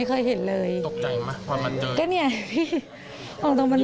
ปกติมะความมันเจอ